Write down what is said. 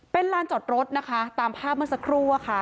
เป็นลานจอดรถนะคะตามภาพเมื่อสักครู่อะค่ะ